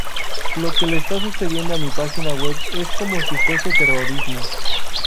Lo que le está sucediendo a mi página web es como si fuese terrorismo.